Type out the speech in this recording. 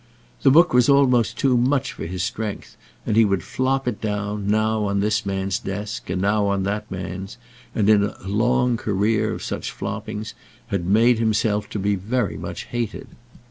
This book was almost too much for his strength, and he would flop it down, now on this man's desk and now on that man's, and in a long career of such floppings had made himself to be very much hated.